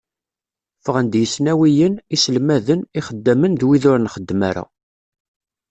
Ffɣen-d yisnawiyen, iselmaden, ixeddamen d wid ur nxeddem ara.